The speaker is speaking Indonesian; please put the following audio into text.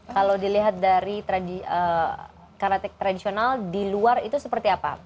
kalau dilihat dari karate tradisional di luar itu seperti apa